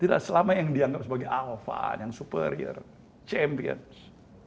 tidak selama yang dianggap sebagai alfan yang superior champions